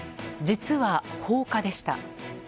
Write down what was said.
実は放火でした。